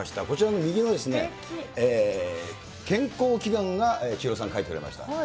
こちらの右は健康祈願が千尋さん、書いてくれました。